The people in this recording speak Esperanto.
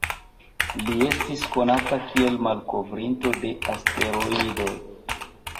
Li estis konata kiel malkovrinto de asteroidoj.